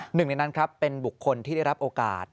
หนึ่งในนั้นครับเป็นบุคคลที่ได้รับโอกาส